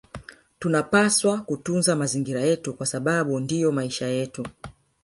Tunapaswa kutunza mazingira yetu kwa sababu ndiyo maisha yetu